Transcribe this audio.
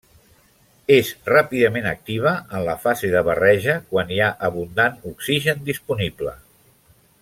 És ràpidament activa en la fase de barreja quan hi ha abundant oxigen disponible.